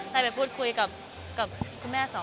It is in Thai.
ได้ไปพูดคุยกับคุณแม่สองคน